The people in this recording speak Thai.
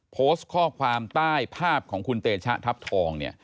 โพสต์ข้อความใต้ภาพของคุณเตชะทัพทอง